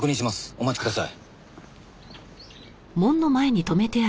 お待ちください。